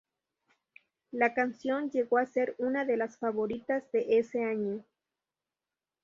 La canción llegó a ser una de las favoritas de ese año.